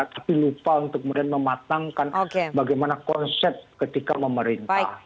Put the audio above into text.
tapi lupa untuk kemudian mematangkan bagaimana konsep ketika memerintah